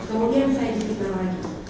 kemungkinan saya dikita lagi